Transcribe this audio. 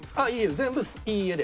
全部「いいえ」で。